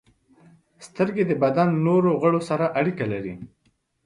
• سترګې د بدن نور غړي سره اړیکه لري.